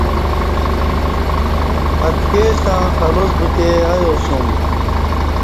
اتکِی ستݩع خلاس بوتے ا یاسم